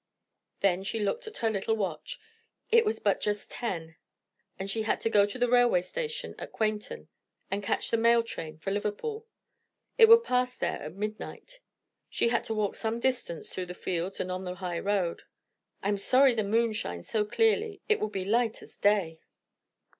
Then she looked at her little watch; it was but just ten; she had to go to the railway station at Quainton, and catch the mail train for Liverpool it would pass there at midnight. She had to walk some distance through the fields and on the high road. "I am sorry the moon shines so clearly, it will be light as day."